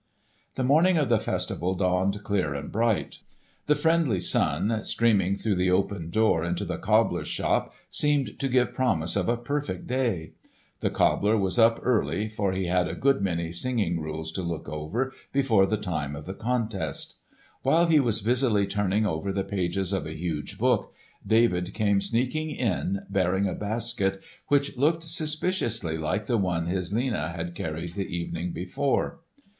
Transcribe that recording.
The morning of the festival dawned clear and bright. The friendly sun streaming through the open door into the cobbler's shop seemed to give promise of a perfect day. The cobbler was up early for he had a good many singing rules to look over before the time of the contest. While he was busily turning over the pages of a huge book David came sneaking in bearing a basket which looked suspiciously like the one his Lena had carried the evening before.